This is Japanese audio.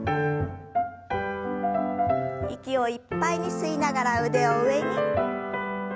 息をいっぱいに吸いながら腕を上に。